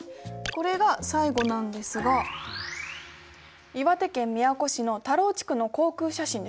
これが最後なんですが岩手県宮古市の田老地区の航空写真です。